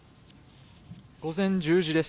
午前１０時です。